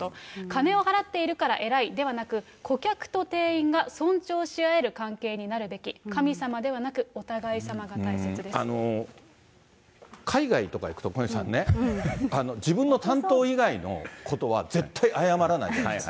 金を払っているから偉いではなく、お客と店員が尊重し合える関係になるべき、神様ではなく、お互い海外とか行くと小西さんね、自分の担当以外のことは絶対謝らないじゃないですか。